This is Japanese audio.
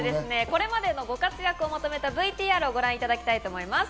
これまでのご活躍をまとめたＶＴＲをご覧いただきたいと思います。